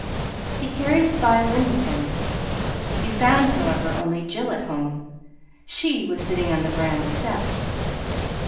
He carried his violin with him. He found, however, only Jill at home. She was sitting on the veranda steps.